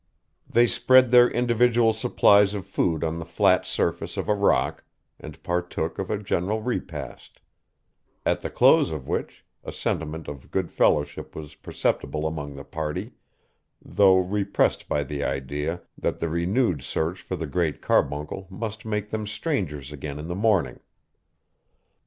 They spread their individual supplies of food on the flat surface of a rock, and partook of a general repast; at the close of which, a sentiment of good fellowship was perceptible among the party, though repressed by the idea, that the renewed search for the Great Carbuncle must make them strangers again in the morning.